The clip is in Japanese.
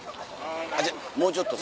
じゃもうちょっとさ。